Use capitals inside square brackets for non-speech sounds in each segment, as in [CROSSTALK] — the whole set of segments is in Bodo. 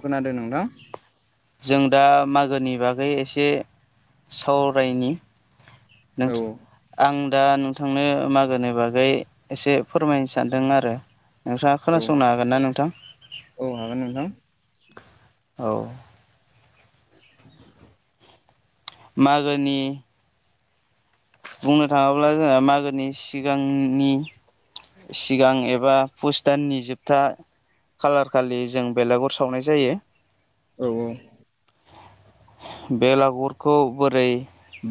खोनादों नोंथां जों दा मागोनि बागै एसे सावरायनि नों औ आं दा नोंथांनो मागोनि बागै एसे फोरमायनो सानदों आरो। नोंथाङा औ खोनासंनो हागोन ना नोंथां? औ हागोन नोंथां औ। मागोनि बुंनो थाङोब्ला जोंहा मागोनि सिगांनि सिगां एबा पुस दाननि जोबथा कालार खालि जों बेलाेगुर सावनाय जायो। औ औ। [INAUDIBLE] बेलागुरखौ बोरै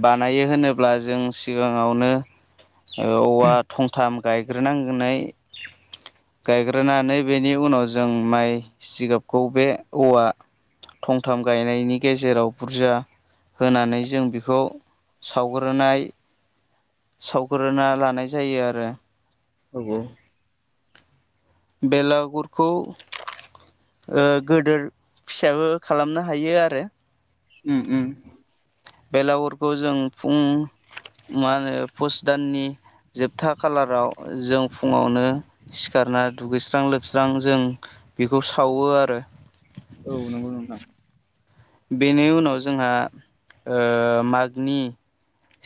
बानायो होनोब्ला जों सिगाङावनो औवा थंथाम गायग्रोनांगोनै गायग्रोनानै बेनि उनाव जों माइ सिगाबखौ बे औवा थंथाम गायनायनि गेजेराव बुरजा होनानै जों बेखौ सावग्रोनाय सावग्रोना लानाय जायो आरो। औ। बेलागुरखौ ओ गोदोर फिसाबो खालामनो हायो आरो। उम उम। बेलागुरखौ जों फुं मा होनो पुस दाननि जोबथा खालाराव जों फुङावनो सिखारना दुगैस्रां लोबस्रां जों बेखौ सावो आरो। औ नंगौ नोंथां। बेनि उनाव जोंहा ओ मागनि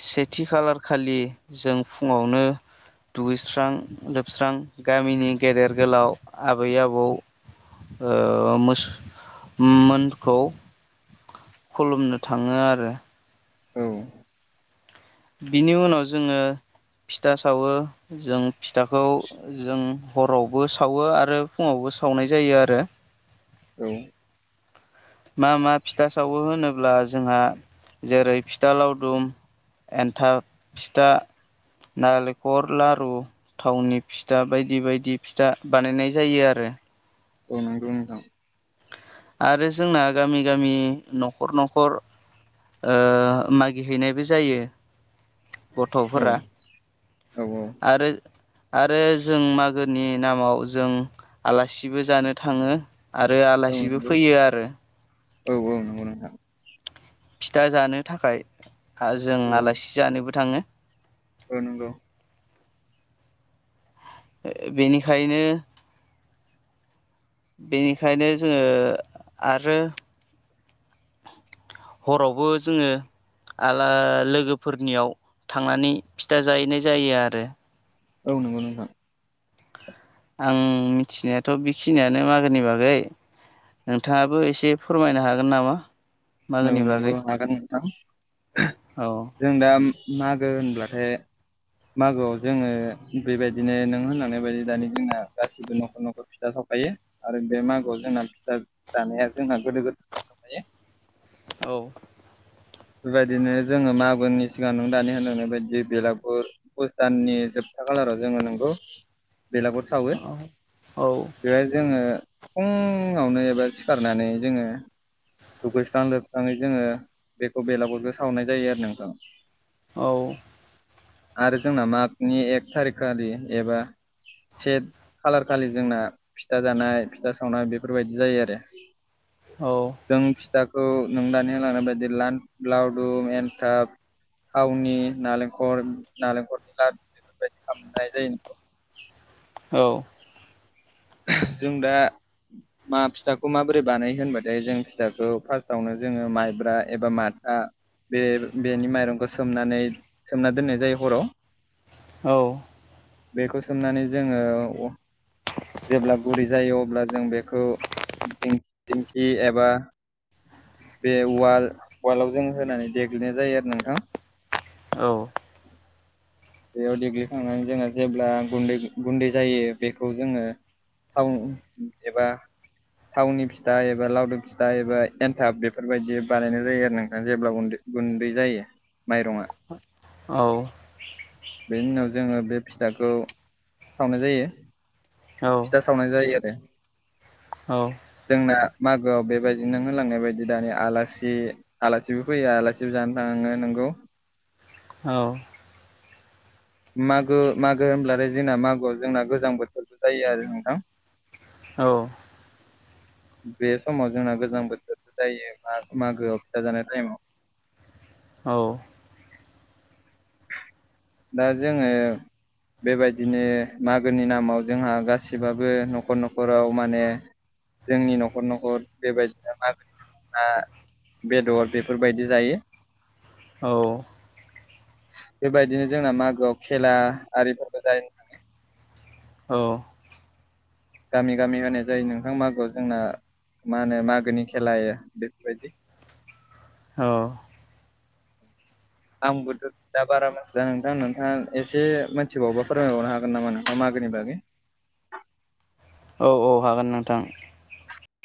सेथि खालार खालि जों फुङावनो दुगैस्रां लोबस्रां गामिनि गेदेर गोलाव आबै आबौ ओ मोसो मोनखौ खुलुमनो थाङो आरो। औ। बिनि उनाव जोङो फिथा सावो, जों फिथाखौ जों हरावबो सावो आरो फुङावबो बो सावनाय जायो आरो। औ। मा मा फिथा सावो होनोब्ला जोंहा जेरै फिथा लावदुम एन्थाब फिथा नालेंखर लारु, थावनि फिथा बायदि बायदि फिथा बानायनाय जायो आरो। दे। औ नोंगौ नोंथां। आरो जोंना गामि गामि न'खर न'खर ओ मागिहैनायबो जायो। औ गथ'फोरा। औ औ आरो आरो जों मागोनि नामाव जों आलासिबो जानो थाङो। आरो औ आलासिबो नंगौ फैयो आरो। औ औ नोंगौ नोंथां। फिथा जानो थाखाय जों आलासि जानोबो थाङो। ओ नोंगौ। ओ बिनिखायनो बेनिखायनो जोङो आरो हरावबो जोङो आला लोगोफोरनियाव थांनानै फिथा जाहैनाय जायो आरो। औ नोंगौ नोंथां। आं मिथिनायाथ' बिखिनियानो मागोनि बागै नोंथाङाबो एसे फोरमायनो हागोन नामा? मागोनि औ नोंगौ बागै हागोन नोंथां औ जों दा मागो होनब्लाथाय मागोआव जोङो बेबायदिनो नों होनलांनाय बायदि दानि जोंना गासिबो न'खर न'खर फिथा साव खायो आरो बे मागोआव जोंना फिथा जानाया जोंना गोदो गोदायनिफ्रायनो दंखायो। औ। बेबायदिनो जोङो मागोनि सिगां नों दानि होनलांनाय बायदि बेलागुर पुस दाननि जोब था खालाराव जोङो नोंगौ बेलागुर सावो औ औ बेहाय जोङो फुंङावनो एबा सिखारनानै जोङो दुगैस्रां लोबस्राङै जोङो बेखौ बेलागुरखौ सावनाय जायो आरो नोंथां। औ। आरो जोंना मागनि एक थारिखा खालि एबा सेट खालार खालि जोंना फिथा जानाय फिथा सावनाय बेफोरबायदि जायो आरो। औ। जों फिथाखौ नों दानि होलांनाय बायदि लान लावदुम एन्थाब थावनि नालेंखर नालेंखरनि लाद्दु बेबायदि खालामनाय जायो [UNINTELLIGIBLE] औ। जों दा मा फिथाखौ माबोरै बानायो होनबाथाय जों फिथाखौ फार्स्टावनो जोङो माइब्रा एबा माथ था बे बेनि माइरंखौ सोमनानै सोमना दोननाय जायो हराव औ। बेखौ सोमनानै जोङो अ जेब्ला गुरै जायो अब्ला जों बेखौ दिं-दिंखि एबा बे वाल वालाव जों होनानै देग्लिनाय जायो आरो नोंथां। औ। बेयाव देग्लिखांनानै जोङो जेब्ला गुन्दै गुन्दै जायो बेखौ जोङो थाउन एबा थावनि फिथा एबा लावदुम फिथा एबा एन्थाब बेफोरबायदि बानायनाय जायो आरो नोंथां जेब्लाबो उन्दो गुन्दै जायो माइरंआ औ। बेनि उनाव जोङो बे फिथाखौ सावनाय जायो। फिथा सावनाय जायो आरो जोंना मागोआव बेबायदिनो नों होलांनाय बायदि दानि आलासि आलासिबो फैयो आलासिबो जानो थाङो नोंगौ। औ। मागो मागो होनब्लाथाय जोंना मागोआव जोंना गोजां बोथोरबो जायो आरो नोंथां। औ। बे समाव जोंना गोजां बोथोरबो जायो मागोआव फिसा जानाय टाइमाव औ। दा जोङो बेबायदिनो मागोनि नामाव जोंहा गासैबाबो न'खर न'खराव माने जोंनि न'खर न'खर बेबायदिनो मागोनि बेदर बेफोरबायदि जायो। औ। बे बायदिनो जोंना मागोआव खेला आरिफोरबो [UNINTELLIGIBLE] थाङो। औ गामि गामि होनाय जायो नोंथां मागोआव जोंना मा होनो मागोनि खेलाया बेफोरबायदि औ आंबोथ' दा बारा मानथिला नोंथां नोंथाङा एसे मिथिबावबा फोरमायबावनो हागोन नामा नोंथां मागो नि बागै [INAUDIBLE] औ हागोन नोंथां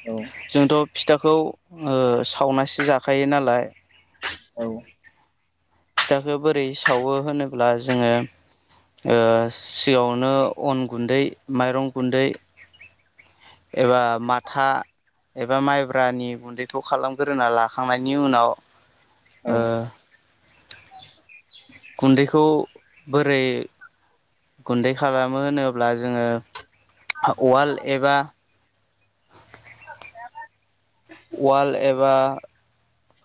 औ जोंथ' फिथाखौ सावनासो जाखायो नालाय औ फिथाखौ बोरै सावो होनोब्ला जोङो ओ सिगाङावनो अन गुन्दै माइरं गुन्दै एबा माथा एबा माइब्रानि गुन्दैखौ खालामग्रोना लाखांनायनि उनाव औ ओ गुन्दैखौ बोरै गुन्दै खालामो होनोब्ला जोङो उवाल एबा [INAUDIBLE] वाल एबा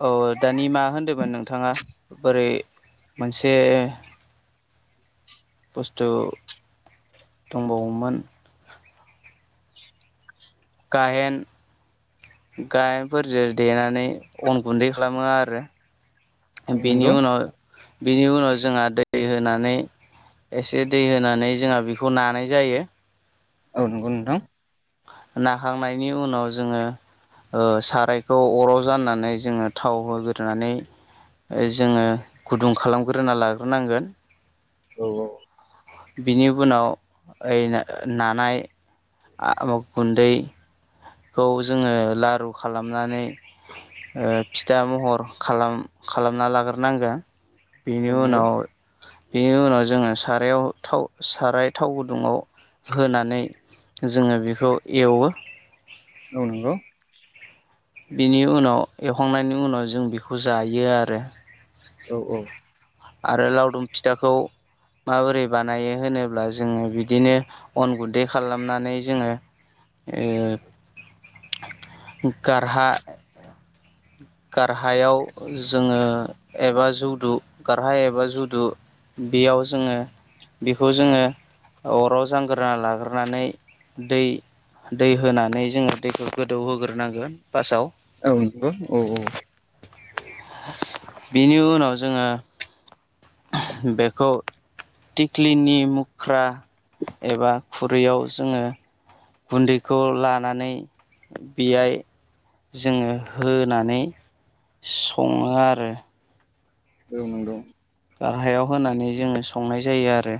औ दानि मा होनदोंमोन नोंथाङा बोरै मोनसे बुस्थु दंबावोमोन गाहेन गायेनफोरजों देनानै अन गुन्दै खालामो आरो औ बिनि नंगौ उनाव बिनि उनाव जोंहा दै होनानै एसे दै होनानै जोंहा बेखौ नानाय जायो औ नंगौ नोंथां नाखांनायनि उनाव जोङो ओ सारायखौ अराव जाननानै जोङो थाव होग्रोनानै जोङो गुदुं खालामग्रोना लाग्रोनांगोन औ औ बिनि उनाव ओइ नानाय आ गुन्दैखौ जोङो लारु खालामनानै ओ फिथा महर खालाम खालामना लाग्रोनांगोन बेनि औ नंगौ उनाव बेनि उनाव जोङो सारायाव थाव साराय थाव गुदुङाव होनानै जोङो बेखौ एवो औ नंगौ बेनि उनाव एवखांनायनि उनाव जों बेखौ जायो आरो औ औ आरो लावदुम फिथाखौ माबोरै बानायो होनोब्ला जोङो बिदिनो अन गुन्दै खालामनानै जोङो ओ गारहा गारहायाव जोङो एबा जौदु गारहाय एबा जुदु बेयाव जोङो बेखौ जोङो अराव जांग्रोना लाग्रोनानै दै दै होनानै जोङो दैखौ गोदौहोग्रोनांगोन फार्स्टआव औ नंगौ औ औ बेनि उनाव जोङो बेखौ टिख्लिनि मुख्रा एबा खुरैयाव जोङो गुन्दैखौ लानानै बेहाय जोङो होनानै सङो आरो औ नंगौ गाहायाव होनानै जोङो संनाय जायो आरो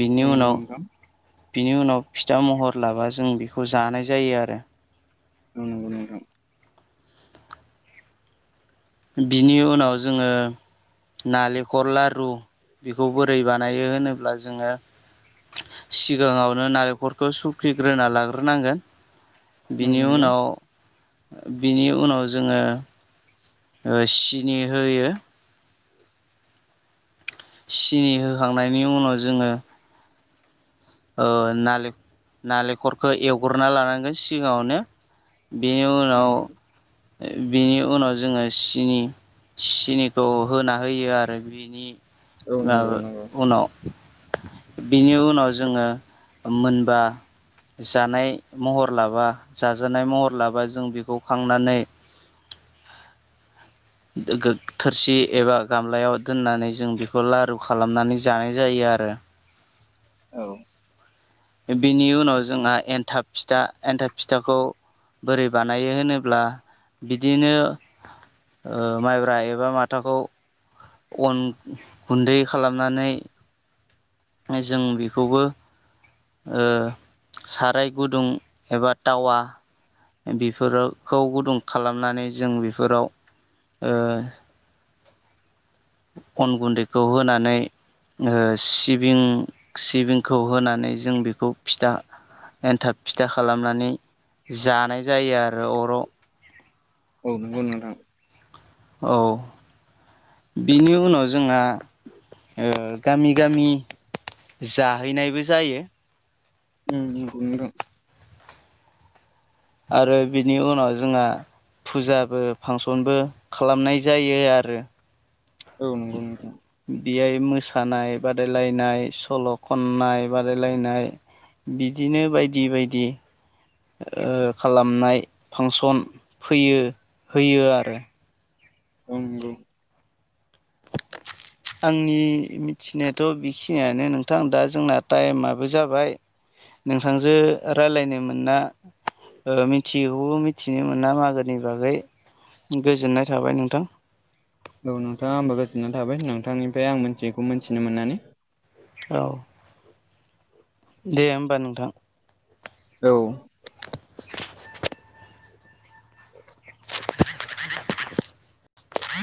बेनि औ नंगौ उनाव नोंथां बिनि उनाव फिथा महर लाबा जों बेखौ जानाय जायो आरो औ नंगौ नोंथां। बिनि उनाव जोङो नालेंखर लारु बेखौ बोरै बानायो होनोब्ला जोङो सिगाङावनो नालेंखरखौ सुखिग्रोना लाग्रोनांगोन। औ बिनि नंगौ उनाव बिनि उनाव जोङो ओ सिनि होयो सिनि होखांनायनि उनाव जोङो ओ नालें-नालेंखरखौ एवग्रोनना लानांगोन सिगाङावनो बेनि उनाव बिनि उनाव जोङो सिनि सिनिखौ होना होयो आरो बिनि औ नंगौ ओ नंगौ उनाव बिनि उनाव जोङो मोनबा जानाय महर लाबा जाजानाय महर लाबा जों बेखौ खांनानै गो थोरसि एबा गामलायाव दोननानै जों बेखौ लारु खालामनानै जानाय जायो आरो आरो औ बिनि उनाव जोंहा एनथाब फिथा एन्थाब फिथाखौ बोरै बानायो होनोब्ला बिदिनो ओ माइब्रा एबा माथाखौ अन गुन्दै खालामनानै जों बेखौबो ओ साराय गुदुं एबा टावा बेफोरखौ गुदुं खालामनानै जों बेफोराव ओ अन गुन्दैखौ होनानै ओ सिबिं सिबिंखौ होनानै जों बेखौ फिथा एन्थाब फिथा खालामनानै जानाय जायो आरो अराव औ नंगौ नोंथां। औ बिनि उनाव जोंहा ओ गामि गामि जाहैनायबो जायो। उम उम नंगौ। आरो बिनि उनाव जोंहा फुजाबो फांसनबो खालामनाय जायो आरो औ नंगौ नंगौ। बेहाय मोसानाय बादायलायनाय सल' खननाय बादायलायनाय बिदिनो बायदि बायदि। ओ खालामनाय फांसन फैयो होयो आरो औ नंगौ। आंनि मिथिनायाथ' बेखिनियानो नोंथां दा जोंना टाइमाबो जाबाय नोंथांजो रायलायनो मोनना मिथियैखौबो मिथिनो मोना मागोनि बागै गोजोननाय थाबाय नोंथां। औ नोंथाङा आंबो गोजोननाय थाबाय नोंथांनिफ्राय आं मोनथियैखौ मोन्थिनो मोननानै औ दे होमबा नोंथां। औ